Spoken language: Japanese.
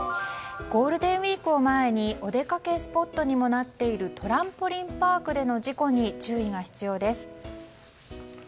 ゴールデンウィークを前にお出かけスポットにもなっているトランポリンパークでの事故に注意が必要です。